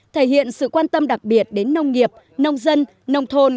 thể hiện sự quan tâm đặc biệt đến nông nghiệp nông dân nông thôn